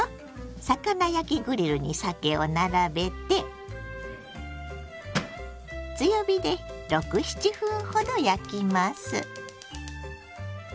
魚焼きグリルにさけを並べて強火で６７分ほど焼きます。